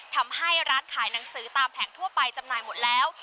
ทำให้ร้านขายหนังสือตามแผงทั่วไปจำหน่ายหมดแล้ว